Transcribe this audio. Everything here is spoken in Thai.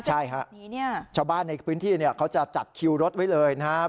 ใช่ฮะชาวบ้านในพื้นที่เขาจะจัดคิวรถไว้เลยนะครับ